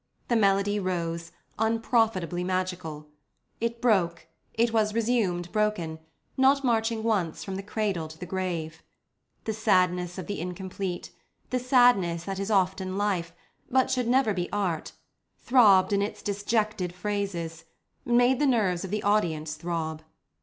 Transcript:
The melody rose, unprofitably magical. It broke; it was resumed broken, not marching once from the cradle to the grave. The sadness of the incomplete—the sadness that is often Life, but should never be Art—throbbed in its disjected phrases, and made the nerves of the audience throb.